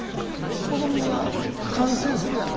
子どもが歓声するやんか